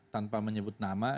tanpa menyebut nama